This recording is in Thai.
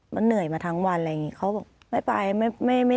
มันเหนื่อยมาทั้งวันอะไรอย่างนี้เขาบอกไม่ไปไม่